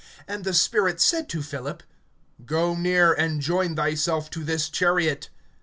(29)And the Spirit said to Philip: Go near, and join thyself to this chariot.